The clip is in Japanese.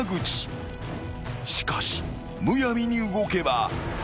［しかしむやみに動けば］